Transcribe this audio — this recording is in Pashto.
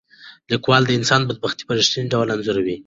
لیکوال د انسانانو بدبختي په رښتیني ډول انځوروي.